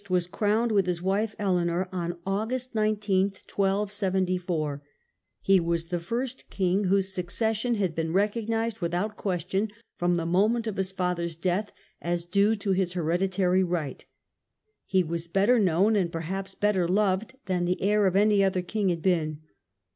was crowned, with his wife Eleanor, on August 19, 1274. He was the first king whose succession Edward's had been recognized, without question, from training. ^^e moment of his father's death, as due to his hereditary right He was better known, and perhaps better loved, than the heir of any other king had been.